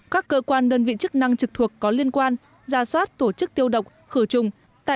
các cơ quan đơn vị chức năng trực thuộc có liên quan ra soát tổ chức tiêu độc khử trùng